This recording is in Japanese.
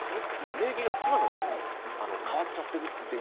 名義が妻の名義に変わっちゃっているっていう。